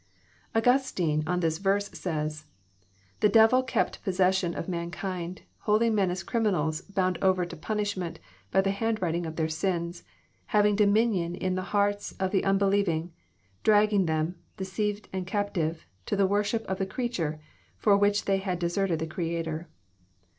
Augustine, on this verse, says :'* The devil kept possession of mankind, holdiug men as criminals bound over to punishment by the handwriting of their sins, having dominion in the hearts of the unbelieving, dragging them, deceived and captive, to the worship of the creature, for which they had deserted the Creator.